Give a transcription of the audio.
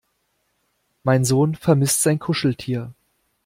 Mein Sohn vermisst sein Kuscheltier.